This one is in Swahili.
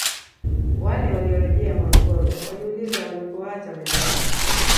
Wale waliorejea Morogoro waliulizwa walikowaacha wenzao